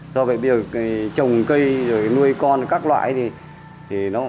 do vậy bây giờ trồng cây nuôi con các loại thì nó